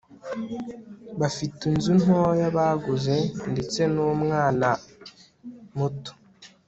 bafite inzu ntoya baguze, ndetse n'umwana muto